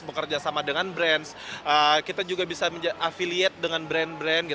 bekerja sama dengan brand kita juga bisa afiliate dengan brand brand